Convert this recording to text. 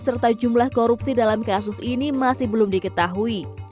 serta jumlah korupsi dalam kasus ini masih belum diketahui